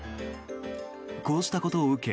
こうしたことを受け